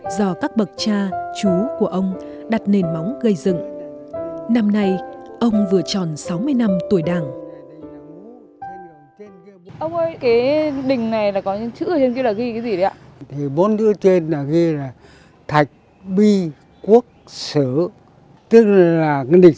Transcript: do các bậc cha chú của ông đặt nền móng gây dựng